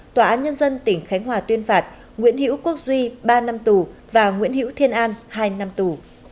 tòa án nhân dân tỉnh khánh hòa tuyên phạt nguyễn hữu quốc duy ba năm tù và nguyễn hữu thiên an hai năm tù